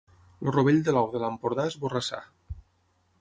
El rovell de l'ou de l'Empordà és Borrassà.